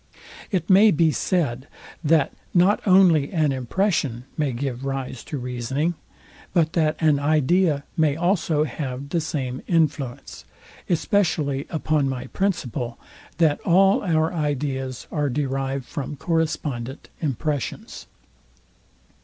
It may be said, that not only an impression may give rise to reasoning, but that an idea may also have the same influence; especially upon my principle, that all our ideas are derived from correspondent impressions.